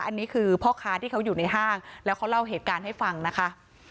อันนี้คือพ่อค้าที่เขาอยู่ในห้างแล้วเขาเล่าเหตุการณ์ให้ฟังนะคะ